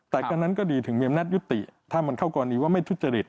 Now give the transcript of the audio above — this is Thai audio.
แต่ก็นั้นก็ดีถึงมีอำนาจยุติถ้ามันเข้ากรณีว่าไม่ทุจริต